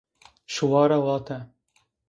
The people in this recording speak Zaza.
Şuware vate